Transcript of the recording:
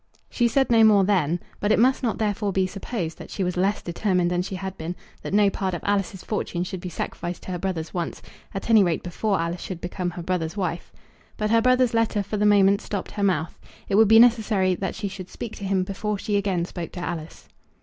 She said no more then; but it must not therefore be supposed that she was less determined than she had been that no part of Alice's fortune should be sacrificed to her brother's wants; at any rate before Alice should become her brother's wife. But her brother's letter for the moment stopped her mouth. It would be necessary that she should speak to him before she again spoke to Alice.